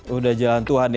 sudah jalan tuhan ya